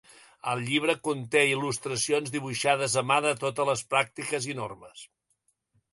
El llibre conté il·lustracions dibuixades a mà de totes les pràctiques i normes.